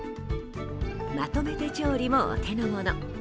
まとめて調理も、お手の物。